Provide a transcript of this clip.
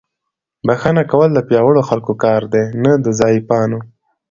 بښنه کول د پیاوړو خلکو کار دی، نه د ضعیفانو.